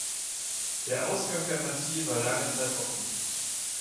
Der Ausgang der Partie war lange Zeit offen.